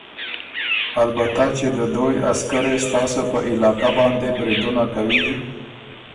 البته چې د دویٛ عسکرې ستاسو په علاقه باندې بریدونه کوی